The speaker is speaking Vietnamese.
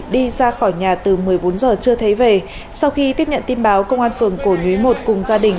đi ra khỏi nhà từ một mươi bốn giờ chưa thấy về sau khi tiếp nhận tin báo công an phường cổ nhuế một cùng gia đình